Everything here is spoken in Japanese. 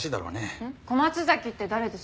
小松崎って誰です？